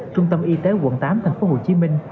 trung tâm y tế quận tám thành phố hồ chí minh